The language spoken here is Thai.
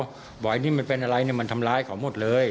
บอกว่าอันนี้มันเป็นอะไรมันทำร้ายเขาหมดเลย